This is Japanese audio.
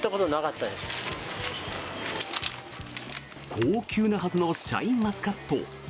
高級なはずのシャインマスカット。